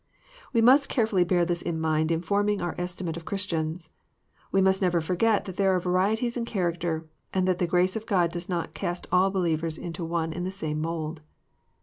We must carefully bear this in mind in forming our estimate of Christians. We must never forget that there are varieties in character, and that the grace of God does not cast all believers into one and the same mould.